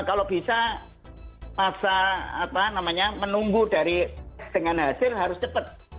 karena masa apa namanya menunggu dari hasil harus cepat